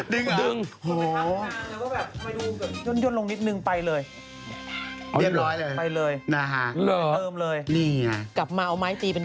ดึงเหรอดึงโอ้โฮดึง